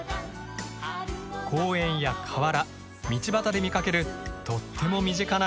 公園や河原道端で見かけるとっても身近な花だが。